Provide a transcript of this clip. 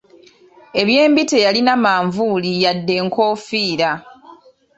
Eby'embi teyalina manvuuli yadde nkoofiira.